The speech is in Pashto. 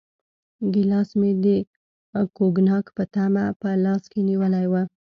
ګیلاس مې د کوګناک په تمه په لاس کې نیولی و.